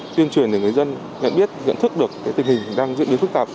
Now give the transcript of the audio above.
tuyên truyền để người dân nhận biết nhận thức được tình hình đang diễn biến phức tạp